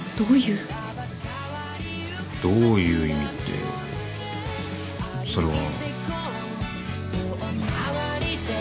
どういう意味ってそれは。